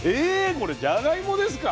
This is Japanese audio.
これじゃがいもですか？